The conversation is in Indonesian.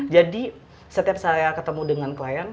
jadi setiap saya ketemu dengan klien